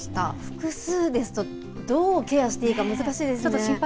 複数ですと、どうケアしていいか、難しいですね。